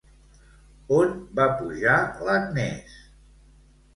On va pujar l'Agnès?